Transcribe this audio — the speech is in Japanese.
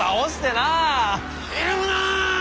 ひるむな！